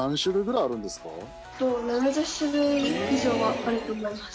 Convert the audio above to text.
えっと７０種類以上はあると思います。